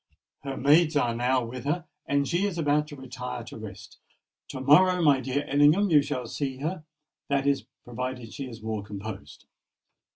Her maids are now with her, and she is about to retire to rest. To morrow, my dear Ellingham, you shall see her—that is, provided she is more composed."